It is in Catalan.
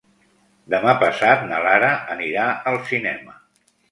Demà passat na Lara anirà al cinema.